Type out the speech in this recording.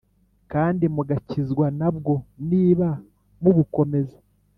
Kandi mugakizwa na bwo niba mubukomeza